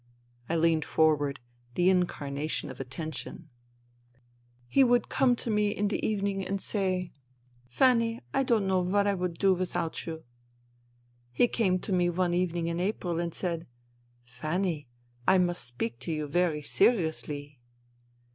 I leaned forward, the incarnation of attention. IK i(e 9f( «*" He would come to me in the evening and say, 160 FUTILITY ' Fanny, I don't know what I would do without you. ...' H( 4: 9i: 4: 4c " He came to me one evening in April and said, ' Fanny, I must speak to you very seriously.